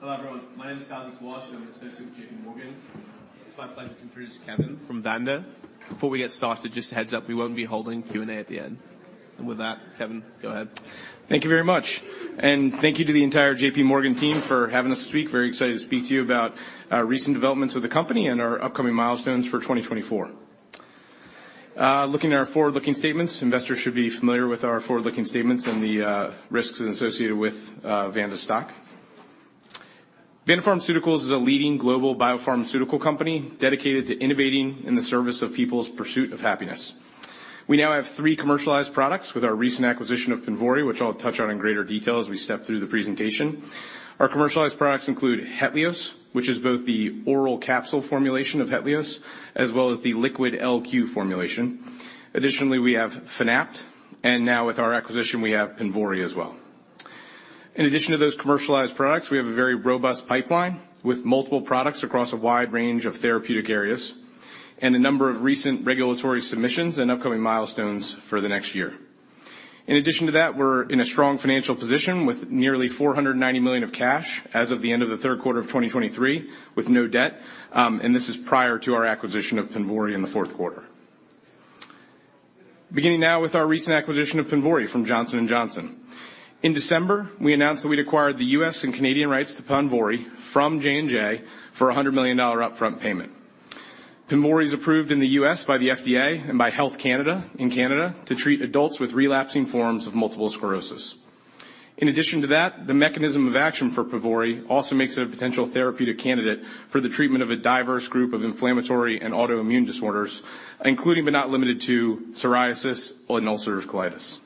Hello, everyone. My name is Joseph Walsh, and I'm with JPMorgan. It's my pleasure to introduce Kevin from Vanda. Before we get started, just a heads up, we won't be holding Q&A at the end. With that, Kevin, go ahead. Thank you very much, and thank you to the entire JPMorgan team for having us this week. Very excited to speak to you about recent developments with the company and our upcoming milestones for 2024. Looking at our forward-looking statements, investors should be familiar with our forward-looking statements and the risks associated with Vanda stock. Vanda Pharmaceuticals is a leading global biopharmaceutical company dedicated to innovating in the service of people's pursuit of happiness. We now have three commercialized products with our recent acquisition of PONVORY, which I'll touch on in greater detail as we step through the presentation. Our commercialized products include HETLIOZ, which is both the oral capsule formulation of HETLIOZ, as well as the liquid LQ formulation. Additionally, we have Fanapt, and now with our acquisition, we have PONVORY as well. In addition to those commercialized products, we have a very robust pipeline with multiple products across a wide range of therapeutic areas and a number of recent regulatory submissions and upcoming milestones for the next year. In addition to that, we're in a strong financial position with nearly $490 million of cash as of the end of the third quarter of 2023, with no debt, and this is prior to our acquisition of PONVORY in the fourth quarter. Beginning now with our recent acquisition of PONVORY from Johnson & Johnson. In December, we announced that we'd acquired the U.S. and Canadian rights to PONVORY from J&J for a $100 million upfront payment. PONVORY is approved in the U.S. by the FDA and by Health Canada in Canada to treat adults with relapsing forms of multiple sclerosis. In addition to that, the mechanism of action for PONVORY also makes it a potential therapeutic candidate for the treatment of a diverse group of inflammatory and autoimmune disorders, including but not limited to psoriasis and ulcerative colitis.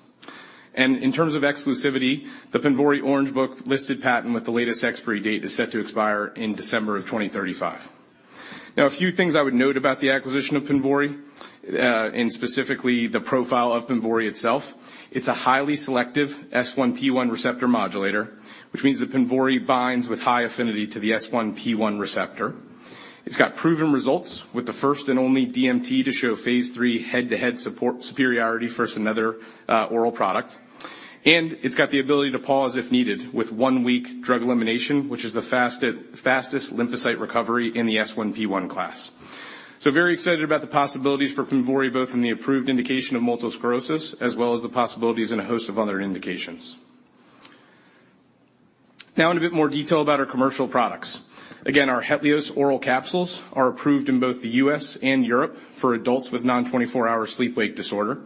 In terms of exclusivity, the PONVORY Orange Book listed patent with the latest expiry date is set to expire in December 2035. Now, a few things I would note about the acquisition of PONVORY and specifically the profile of PONVORY itself. It's a highly selective S1P1 receptor modulator, which means that PONVORY binds with high affinity to the S1P1 receptor. It's got proven results with the first and only DMT to show phase III head-to-head superiority versus another oral product. And it's got the ability to pause if needed, with one-week drug elimination, which is the fastest lymphocyte recovery in the S1P1 class. So very excited about the possibilities for PONVORY, both in the approved indication of multiple sclerosis as well as the possibilities in a host of other indications. Now in a bit more detail about our commercial products. Again, our HETLIOZ oral capsules are approved in both the U.S. and Europe for adults with non-24-hour sleep-wake disorder.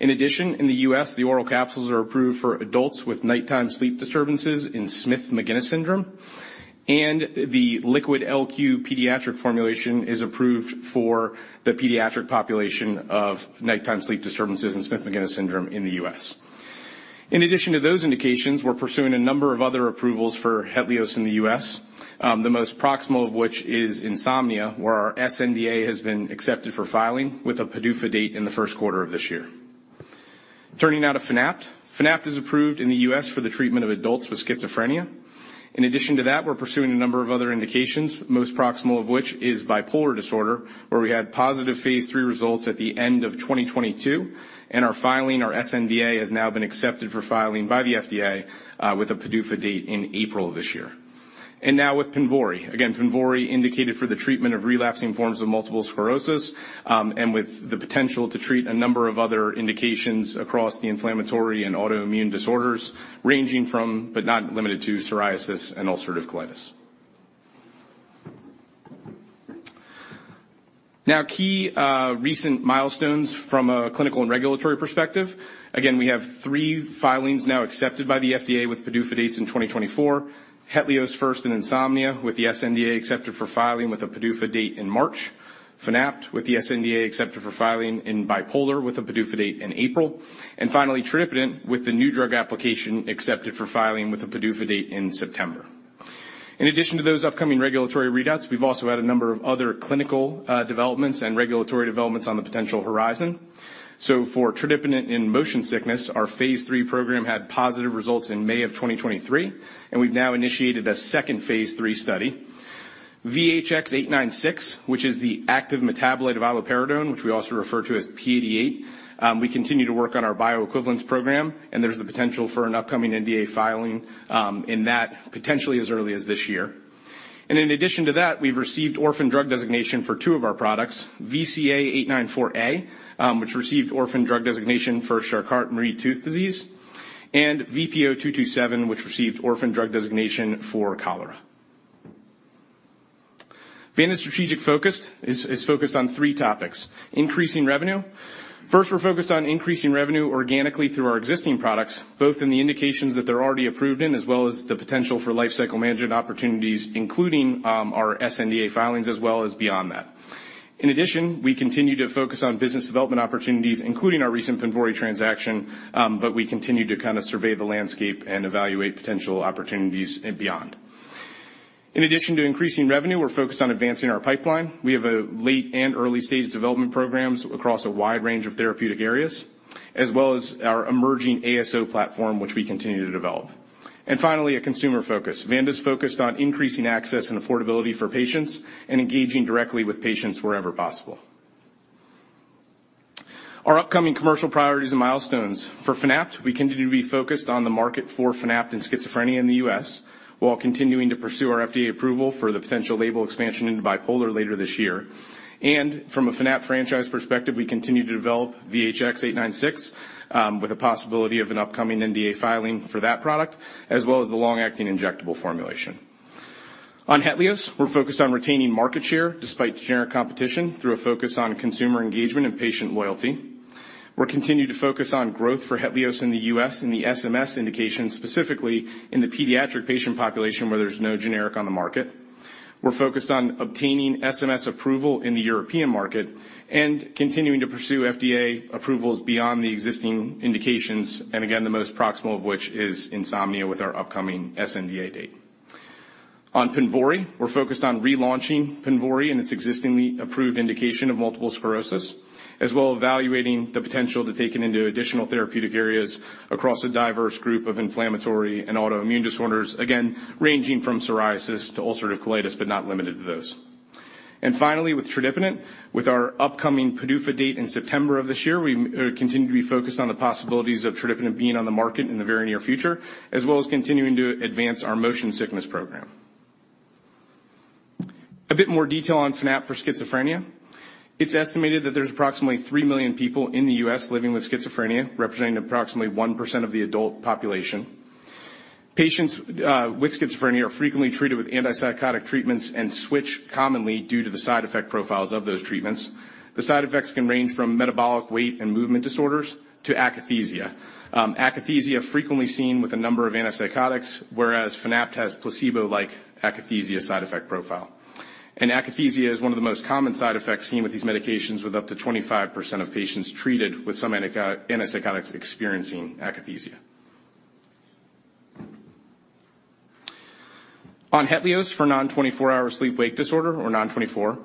In addition, in the U.S., the oral capsules are approved for adults with nighttime sleep disturbances in Smith-Magenis Syndrome, and the liquid LQ pediatric formulation is approved for the pediatric population of nighttime sleep disturbances in Smith-Magenis Syndrome in the U.S. In addition to those indications, we're pursuing a number of other approvals for HETLIOZ in the U.S., the most proximal of which is insomnia, where our sNDA has been accepted for filing with a PDUFA date in the first quarter of this year. Turning now to Fanapt. Fanapt is approved in the U.S. for the treatment of adults with schizophrenia. In addition to that, we're pursuing a number of other indications, most proximal of which is bipolar disorder, where we had positive phase III results at the end of 2022, and our filing, our sNDA, has now been accepted for filing by the FDA with a PDUFA date in April of this year. And now with PONVORY. Again, PONVORY indicated for the treatment of relapsing forms of multiple sclerosis, and with the potential to treat a number of other indications across the inflammatory and autoimmune disorders, ranging from, but not limited to, psoriasis and ulcerative colitis. Now, key recent milestones from a clinical and regulatory perspective. Again, we have three filings now accepted by the FDA with PDUFA dates in 2024. HETLIOZ first in insomnia, with the sNDA accepted for filing with a PDUFA date in March. Fanapt with the sNDA accepted for filing in bipolar, with a PDUFA date in April. And finally, tradipitant, with the new drug application accepted for filing with a PDUFA date in September. In addition to those upcoming regulatory readouts, we've also had a number of other clinical developments and regulatory developments on the potential horizon. So for tradipitant in motion sickness, our phase III program had positive results in May of 2023, and we've now initiated a second phase III study. VHX-896, which is the active metabolite of iloperidone, which we also refer to as P88. We continue to work on our bioequivalence program, and there's the potential for an upcoming NDA filing in that potentially as early as this year. And in addition to that, we've received orphan drug designation for two of our products, VCA-894A, which received orphan drug designation for Charcot-Marie-Tooth disease, and VPO-227, which received orphan drug designation for cholera. Vanda's strategy is focused on three topics: increasing revenue. First, we're focused on increasing revenue organically through our existing products, both in the indications that they're already approved in, as well as the potential for lifecycle management opportunities, including our sNDA filings, as well as beyond that. In addition, we continue to focus on business development opportunities, including our recent PONVORY transaction, but we continue to kind of survey the landscape and evaluate potential opportunities and beyond. In addition to increasing revenue, we're focused on advancing our pipeline. We have late- and early-stage development programs across a wide range of therapeutic areas, as well as our emerging ASO platform, which we continue to develop. And finally, a consumer focus. Vanda's focused on increasing access and affordability for patients and engaging directly with patients wherever possible. Our upcoming commercial priorities and milestones. For Fanapt, we continue to be focused on the market for Fanapt and schizophrenia in the U.S., while continuing to pursue our FDA approval for the potential label expansion into bipolar later this year. And from a Fanapt franchise perspective, we continue to develop VHX-896 with a possibility of an upcoming NDA filing for that product, as well as the long-acting injectable formulation. On HETLIOZ, we're focused on retaining market share despite generic competition through a focus on consumer engagement and patient loyalty. We're continuing to focus on growth for HETLIOZ in the U.S. and the SMS indication, specifically in the pediatric patient population, where there's no generic on the market. We're focused on obtaining SMS approval in the European market and continuing to pursue FDA approvals beyond the existing indications, and again, the most proximal of which is insomnia with our upcoming sNDA date. On PONVORY, we're focused on relaunching PONVORY and its existing approved indication of multiple sclerosis, as well as evaluating the potential to take it into additional therapeutic areas across a diverse group of inflammatory and autoimmune disorders, again, ranging from psoriasis to ulcerative colitis, but not limited to those. Finally, with tradipitant, with our upcoming PDUFA date in September of this year, we continue to be focused on the possibilities of tradipitant being on the market in the very near future, as well as continuing to advance our motion sickness program. A bit more detail on Fanapt for schizophrenia. It's estimated that there's approximately three million people in the U.S. living with schizophrenia, representing approximately 1% of the adult population. Patients with schizophrenia are frequently treated with antipsychotic treatments and switch commonly due to the side effect profiles of those treatments. The side effects can range from metabolic weight and movement disorders to akathisia. Akathisia, frequently seen with a number of antipsychotics, whereas Fanapt has placebo-like akathisia side effect profile. Akathisia is one of the most common side effects seen with these medications, with up to 25% of patients treated with some antipsychotics experiencing akathisia. On HETLIOZ for Non-24-Hour Sleep-Wake Disorder or Non-24.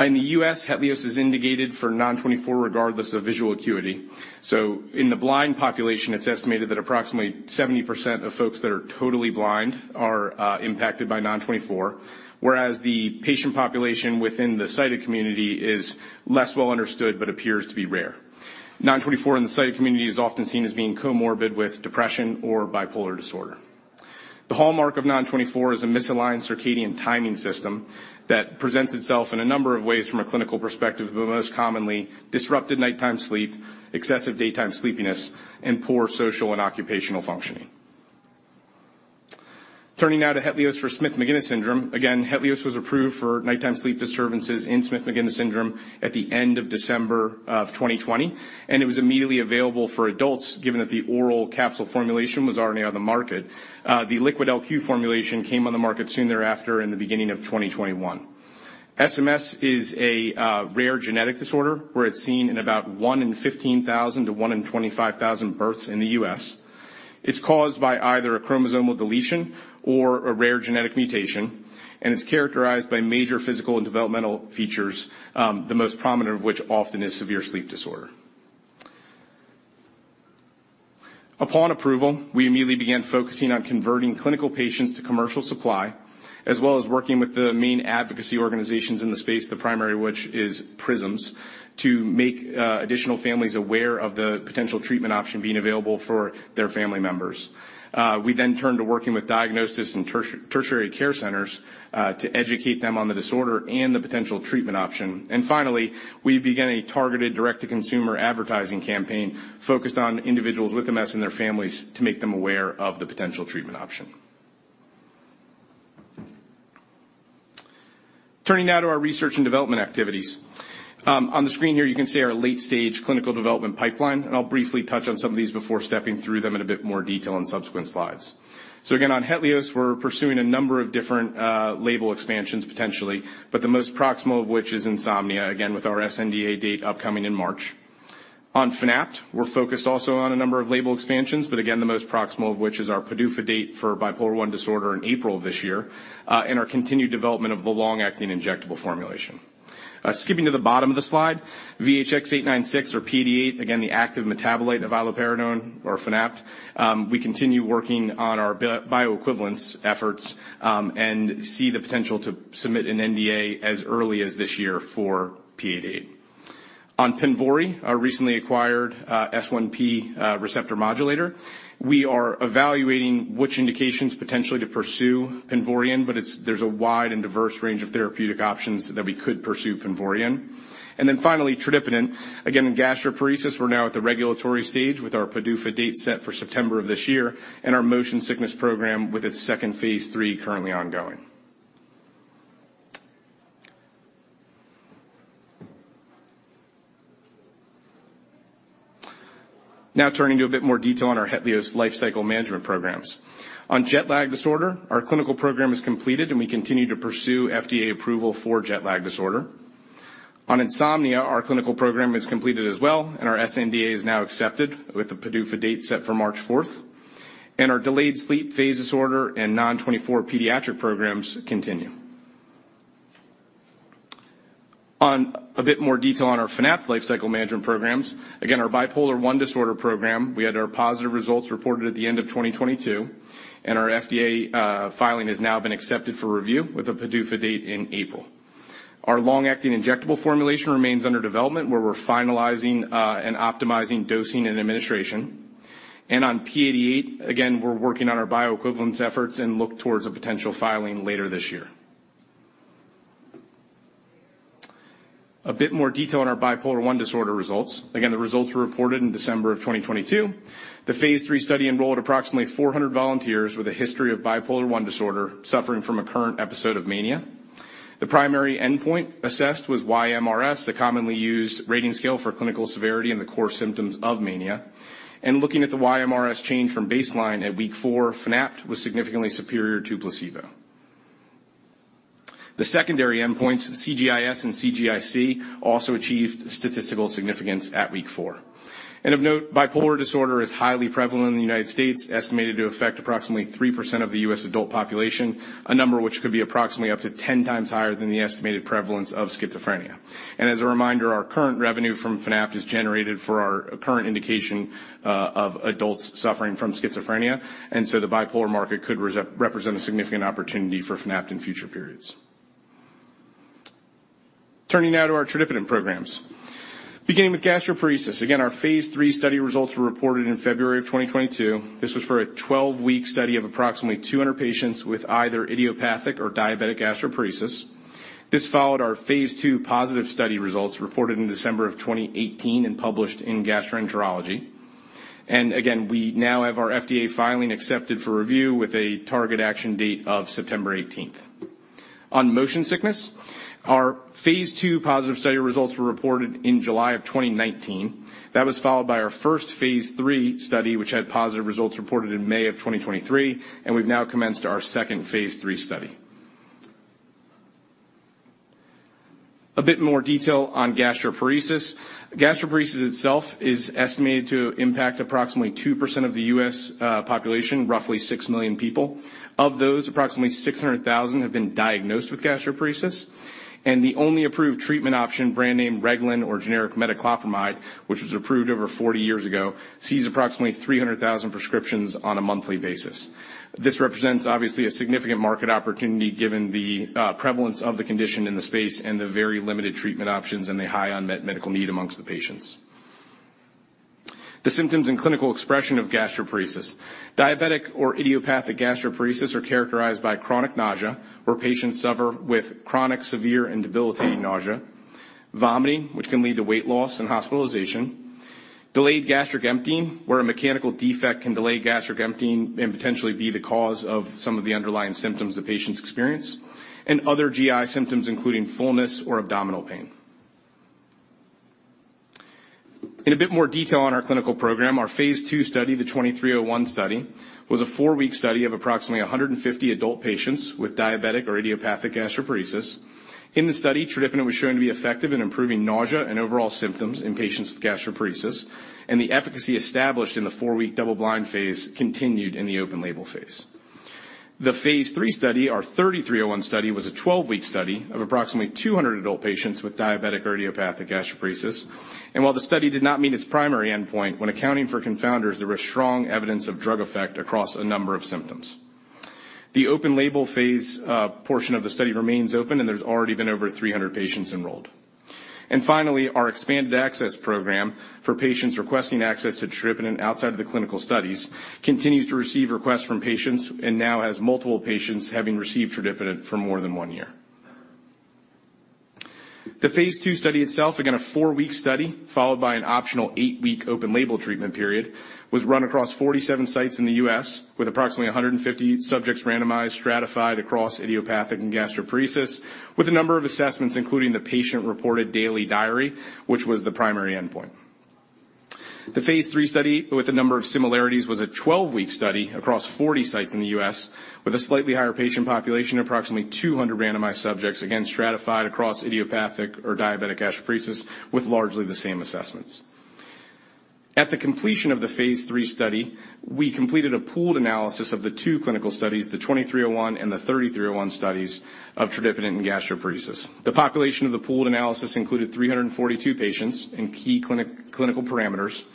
In the U.S., HETLIOZ is indicated for Non-24, regardless of visual acuity. So in the blind population, it's estimated that approximately 70% of folks that are totally blind are impacted by Non-24, whereas the patient population within the sighted community is less well understood, but appears to be rare. Non-24 in the sighted community is often seen as being comorbid with depression or bipolar disorder. The hallmark of Non-24 is a misaligned circadian timing system that presents itself in a number of ways from a clinical perspective, but most commonly, disrupted nighttime sleep, excessive daytime sleepiness, and poor social and occupational functioning. Turning now to HETLIOZ for Smith-Magenis Syndrome. Again, HETLIOZ was approved for nighttime sleep disturbances in Smith-Magenis Syndrome at the end of December of 2020, and it was immediately available for adults, given that the oral capsule formulation was already on the market. The liquid LQ formulation came on the market soon thereafter, in the beginning of 2021. SMS is a rare genetic disorder where it's seen in about one in 15,000 to one in 25,000 births in the U.S. It's caused by either a chromosomal deletion or a rare genetic mutation, and it's characterized by major physical and developmental features, the most prominent of which often is severe sleep disorder. Upon approval, we immediately began focusing on converting clinical patients to commercial supply, as well as working with the main advocacy organizations in the space, the primary of which is PRISMS, to make additional families aware of the potential treatment option being available for their family members. We then turned to working with diagnosis and tertiary care centers to educate them on the disorder and the potential treatment option. Finally, we began a targeted direct-to-consumer advertising campaign focused on individuals with MS and their families to make them aware of the potential treatment option. Turning now to our research and development activities. On the screen here, you can see our late-stage clinical development pipeline, and I'll briefly touch on some of these before stepping through them in a bit more detail on subsequent slides. So again, on HETLIOZ, we're pursuing a number of different label expansions, potentially, but the most proximal of which is insomnia, again, with our sNDA date upcoming in March. On Fanapt, we're focused also on a number of label expansions, but again, the most proximal of which is our PDUFA date for bipolar I disorder in April this year, and our continued development of the long-acting injectable formulation. Skipping to the bottom of the slide, VHX-896 or P88, again, the active metabolite of iloperidone or Fanapt. We continue working on our bioequivalence efforts, and see the potential to submit an NDA as early as this year for P88. On PONVORY, our recently acquired S1P receptor modulator, we are evaluating which indications potentially to pursue PONVORY in, but it's, there's a wide and diverse range of therapeutic options that we could pursue PONVORY in. And then finally, tradipitant. Again in gastroparesis, we're now at the regulatory stage with our PDUFA date set for September of this year and our motion sickness program with its second phase III currently ongoing. Now, turning to a bit more detail on our HETLIOZ lifecycle management programs. On jet lag disorder, our clinical program is completed, and we continue to pursue FDA approval for jet lag disorder. On insomnia, our clinical program is completed as well, and our sNDA is now accepted, with the PDUFA date set for March 4. And our delayed sleep phase disorder and Non-24 pediatric programs continue. On a bit more detail on our Fanapt lifecycle management programs. Again, our bipolar I disorder program, we had our positive results reported at the end of 2022, and our FDA filing has now been accepted for review with a PDUFA date in April. Our long-acting injectable formulation remains under development, where we're finalizing and optimizing dosing and administration. And on P88, again, we're working on our bioequivalence efforts and look towards a potential filing later this year. A bit more detail on our bipolar I disorder results. Again, the results were reported in December of 2022. The phase III study enrolled approximately 400 volunteers with a history of bipolar I disorder, suffering from a current episode of mania. The primary endpoint assessed was YMRS, a commonly used rating scale for clinical severity and the core symptoms of mania. And looking at the YMRS change from baseline at week four, Fanapt was significantly superior to placebo. The secondary endpoints, CGI-S and CGI-C, also achieved statistical significance at week four. And of note, bipolar disorder is highly prevalent in the United States, estimated to affect approximately 3% of the U.S. adult population, a number which could be approximately up to 10 times higher than the estimated prevalence of schizophrenia. And as a reminder, our current revenue from Fanapt is generated for our current indication, of adults suffering from schizophrenia, and so the bipolar market could represent a significant opportunity for Fanapt in future periods. Turning now to our tradipitant programs. Beginning with gastroparesis, again, our phase III study results were reported in February 2022. This was for a 12-week study of approximately 200 patients with either idiopathic or diabetic gastroparesis. This followed our phase II positive study results, reported in December 2018 and published in Gastroenterology. Again, we now have our FDA filing accepted for review with a target action date of September 18. On motion sickness, our phase II positive study results were reported in July 2019. That was followed by our first phase III study, which had positive results reported in May 2023, and we've now commenced our second phase III study. A bit more detail on gastroparesis. Gastroparesis itself is estimated to impact approximately 2% of the U.S. population, roughly 6 million people. Of those, approximately 600,000 have been diagnosed with gastroparesis, and the only approved treatment option, brand name Reglan or generic metoclopramide, which was approved over 40 years ago, sees approximately 300,000 prescriptions on a monthly basis. This represents obviously a significant market opportunity given the prevalence of the condition in the space and the very limited treatment options and the high unmet medical need amongst the patients. The symptoms and clinical expression of gastroparesis. Diabetic or idiopathic gastroparesis are characterized by chronic nausea, where patients suffer with chronic, severe, and debilitating nausea; vomiting, which can lead to weight loss and hospitalization; delayed gastric emptying, where a mechanical defect can delay gastric emptying and potentially be the cause of some of the underlying symptoms the patients experience; and other GI symptoms, including fullness or abdominal pain. In a bit more detail on our clinical program, our phase II study, the 2301 study, was a four-week study of approximately 150 adult patients with diabetic or idiopathic gastroparesis. In the study, tradipitant was shown to be effective in improving nausea and overall symptoms in patients with gastroparesis, and the efficacy established in the 4-week double-blind phase continued in the open-label phase. The phase III study, our 3301 study, was a 12-week study of approximately 200 adult patients with diabetic or idiopathic gastroparesis. While the study did not meet its primary endpoint, when accounting for confounders, there was strong evidence of drug effect across a number of symptoms. The open-label phase portion of the study remains open, and there's already been over 300 patients enrolled. Finally, our expanded access program for patients requesting access to tradipitant outside of the clinical studies continues to receive requests from patients and now has multiple patients having received tradipitant for more than 1 year. The phase II study itself, again, a four-week study, followed by an optional 8-week open-label treatment period, was run across 47 sites in the U.S., with approximately 150 subjects randomized, stratified across idiopathic and gastroparesis, with a number of assessments, including the patient-reported daily diary, which was the primary endpoint. The phase III study, with a number of similarities, was a 12-week study across 40 sites in the U.S., with a slightly higher patient population, approximately 200 randomized subjects, again stratified across idiopathic or diabetic gastroparesis, with largely the same assessments. At the completion of the phase III study, we completed a pooled analysis of the two clinical studies, the 2301 and the 3301 studies of tradipitant and gastroparesis. The population of the pooled analysis included 342 patients in key clinical parameters,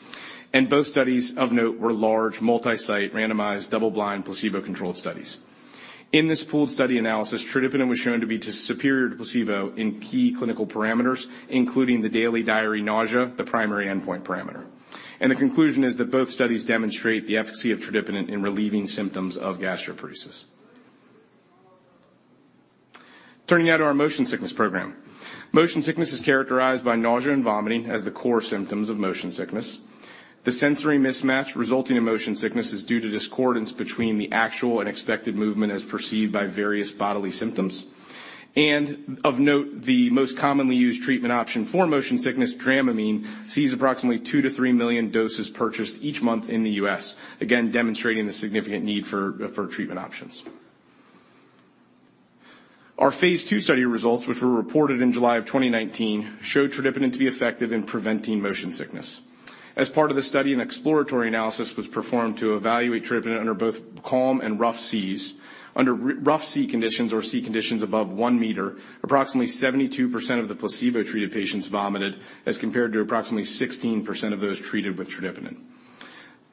and both studies of note were large, multi-site, randomized, double-blind, placebo-controlled studies. In this pooled study analysis, tradipitant was shown to be superior to placebo in key clinical parameters, including the daily diary nausea, the primary endpoint parameter. The conclusion is that both studies demonstrate the efficacy of tradipitant in relieving symptoms of gastroparesis. Turning now to our motion sickness program. Motion sickness is characterized by nausea and vomiting as the core symptoms of motion sickness. The sensory mismatch resulting in motion sickness is due to discordance between the actual and expected movement as perceived by various bodily symptoms. Of note, the most commonly used treatment option for motion sickness, Dramamine, sees approximately two to three million doses purchased each month in the U.S., again, demonstrating the significant need for treatment options. Our phase II study results, which were reported in July of 2019, showed tradipitant to be effective in preventing motion sickness. As part of the study, an exploratory analysis was performed to evaluate tradipitant under both calm and rough seas. Under rough sea conditions, or sea conditions above one meter, approximately 72% of the placebo-treated patients vomited, as compared to approximately 16% of those treated with tradipitant.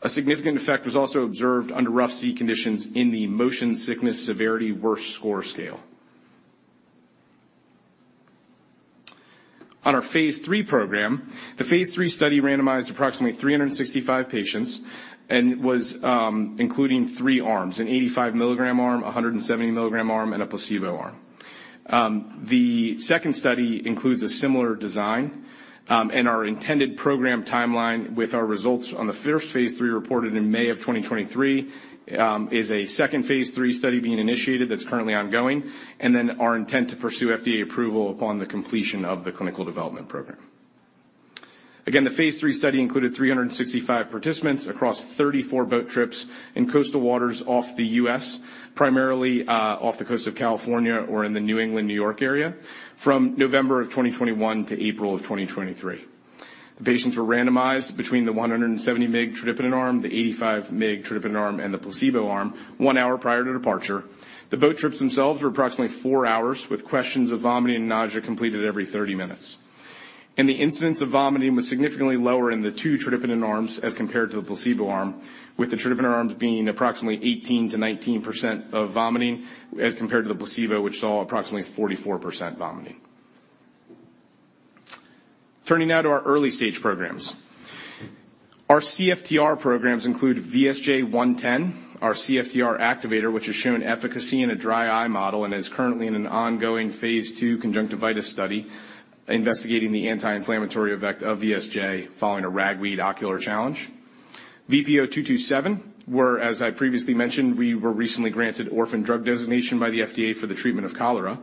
A significant effect was also observed under rough sea conditions in the motion sickness severity worst score scale. On our phase III program, the phase III study randomized approximately 365 patients and was, including three arms, an 85 milligram arm, a 170 milligram arm, and a placebo arm. The second study includes a similar design, and our intended program timeline with our results on the first phase III reported in May of 2023, is a second phase III study being initiated that's currently ongoing, and then our intent to pursue FDA approval upon the completion of the clinical development program. Again, the phase III study included 365 participants across 34 boat trips in coastal waters off the U.S., primarily off the coast of California or in the New England, New York area, from November of 2021 to April of 2023. The patients were randomized between the 170 mg tradipitant arm, the 85 mg tradipitant arm, and the placebo arm, one hour prior to departure. The boat trips themselves were approximately 4 hours, with questions of vomiting and nausea completed every 30 minutes. The incidence of vomiting was significantly lower in the two tradipitant arms as compared to the placebo arm, with the tradipitant arms being approximately 18%-19% vomiting, as compared to the placebo, which saw approximately 44% vomiting. Turning now to our early-stage programs. Our CFTR programs include VSJ-110, our CFTR activator, which has shown efficacy in a dry eye model and is currently in an ongoing phase II conjunctivitis study, investigating the anti-inflammatory effect of VSJ-110 following a ragweed ocular challenge. VPO-227, where, as I previously mentioned, we were recently granted orphan drug designation by the FDA for the treatment of cholera.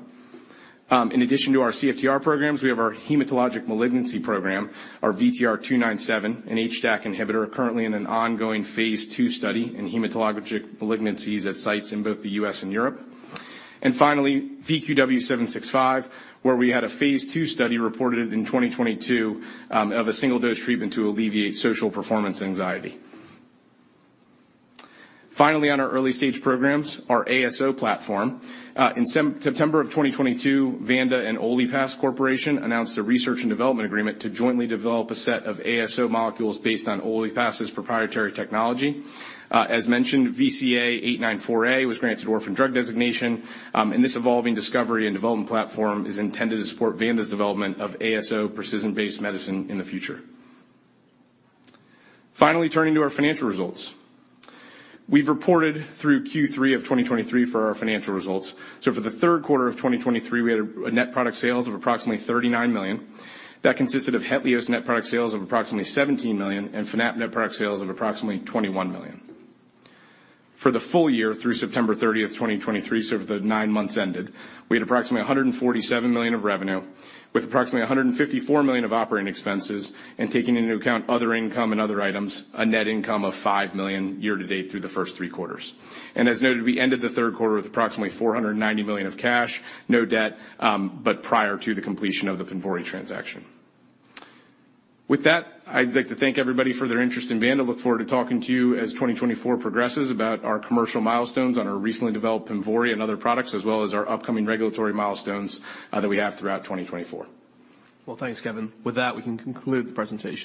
In addition to our CFTR programs, we have our hematologic malignancy program, our VTR-297, an HDAC inhibitor, currently in an ongoing phase II study in hematologic malignancies at sites in both the U.S. and Europe. Finally, VQW-765, where we had a phase II study reported in 2022, of a single-dose treatment to alleviate social performance anxiety. Finally, on our early-stage programs, our ASO platform. In September of 2022, Vanda and OliPass Corporation announced a research and development agreement to jointly develop a set of ASO molecules based on OliPass's proprietary technology. As mentioned, VCA-894A was granted orphan drug designation, and this evolving discovery and development platform is intended to support Vanda's development of ASO precision-based medicine in the future. Finally, turning to our financial results. We've reported through Q3 of 2023 for our financial results. For the third quarter of 2023, we had net product sales of approximately $39 million. That consisted of HETLIOZ's net product sales of approximately $17 million and Fanapt net product sales of approximately $21 million. For the full year through September 30, 2023, so the nine months ended, we had approximately $147 million of revenue, with approximately $154 million of operating expenses, and taking into account other income and other items, a net income of $5 million year to date through the first three quarters. As noted, we ended the third quarter with approximately $490 million of cash, no debt, but prior to the completion of the PONVORY transaction. With that, I'd like to thank everybody for their interest in Vanda. Look forward to talking to you as 2024 progresses about our commercial milestones on our recently developed PONVORY and other products, as well as our upcoming regulatory milestones, that we have throughout 2024. Well, thanks, Kevin. With that, we can conclude the presentation.